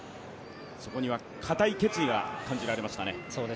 そこには固い決意が感じられましたね。